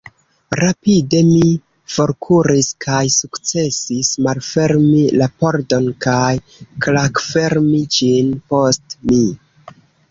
Rapide mi forkuris kaj sukcesis malfermi la pordon kaj klakfermi ĝin post mi.